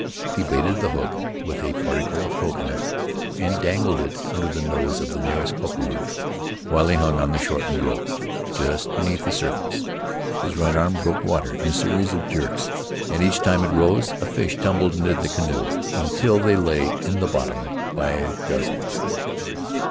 He baited the hook with a particle of coconut and dangled it under the nose of the nearest koperu. While he hung on the shortened rope, just beneath the surface, his right arm broke water in a series of jerks, and each time it rose a fish tumbled into the canoe until they lay in the bottom by dozens.